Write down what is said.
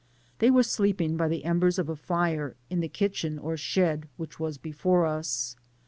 They were sleeping by the embers of a fire, in the kitchen or shed which was before us.